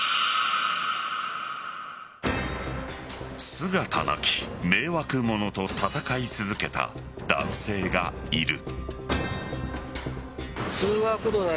姿なき迷惑者と闘い続けた男性がいる。